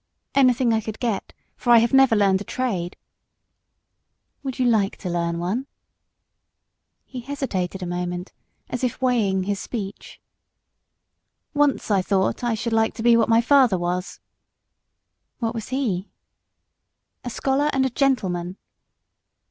"Anything I could get, for I have never learned a trade." "Would you like to learn one?" He hesitated a minute, as if weighing his speech. "Once I thought I should like to be what my father was." "What was he?" "A scholar and a gentleman."